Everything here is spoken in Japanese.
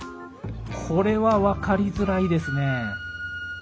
これは分かりづらいですね。